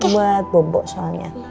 buat bobo soalnya